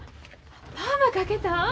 パーマかけたん？